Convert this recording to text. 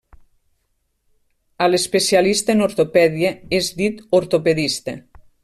A l'especialista en ortopèdia és dit ortopedista.